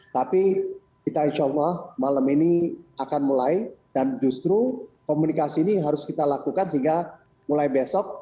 tapi kita insya allah malam ini akan mulai dan justru komunikasi ini harus kita lakukan sehingga mulai besok